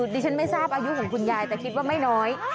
ดิฉันไม่ทราบอายุของคุณยายแต่คิดว่าไม่น้อย